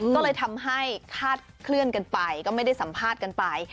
ก็เลยทำให้คาดเคลื่อนกันไปก็ไม่ได้สัมภาษณ์กันไป